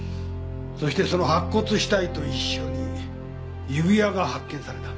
そしてその白骨死体と一緒に指輪が発見されたんです。